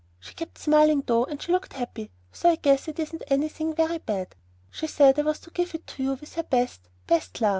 She kept smiling, though, and she looked happy, so I guess it isn't anything very bad. She said I was to give it to you with her best, best love."